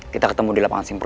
kita ketemu di lapangan simpul